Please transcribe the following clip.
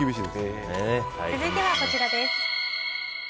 続いては、こちらです。